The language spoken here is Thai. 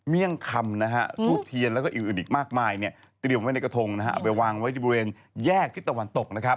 เอาไปวางไว้ที่บริเวณแยกที่ตะวันตก